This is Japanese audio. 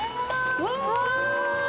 うわ！